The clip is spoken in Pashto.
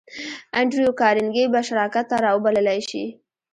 انډريو کارنګي به شراکت ته را وبللای شې؟